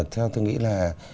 theo tôi nghĩ là